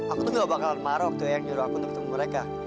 aku tuh gak bakalan marah waktu yang nyuruh aku untuk ketemu mereka